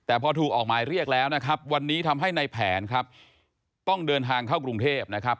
แต่พอถูกออกหมายเรียกแล้วนะครับวันนี้ทำให้ในแผนครับต้องเดินทางเข้ากรุงเทพนะครับ